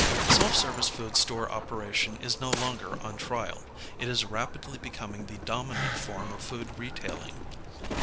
Self service food store operation is no longer on trial. It is rapidly be coming the dominant form of food retailing.